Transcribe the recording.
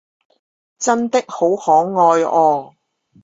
真的好可愛喔